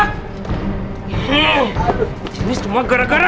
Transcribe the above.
jenis semua gara gara